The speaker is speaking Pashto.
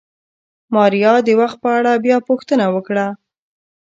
ماريا د وخت په اړه بيا پوښتنه وکړه.